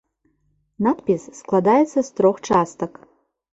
Надпіс складаецца з трох частак.